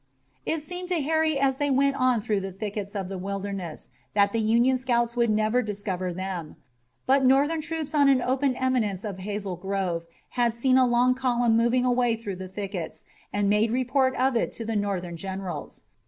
It seemed to Harry as they went on through the thickets of the Wilderness that the Union scouts would never discover them, but Northern troops on an open eminence of Hazel Grove had seen a long column moving away through the thickets and made report of it to the Northern generals.